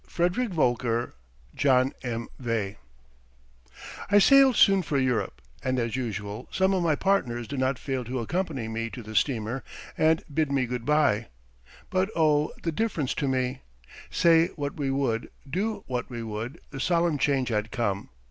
WARD { FREDERICK VOELKER { JOHN M. VEIGH I sailed soon for Europe, and as usual some of my partners did not fail to accompany me to the steamer and bade me good bye. But, oh! the difference to me! Say what we would, do what we would, the solemn change had come.